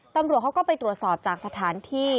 ตำรวจเขาก็ไปตรวจสอบจากสถานที่